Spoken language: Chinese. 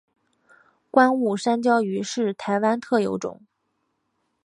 观雾山椒鱼是台湾特有种。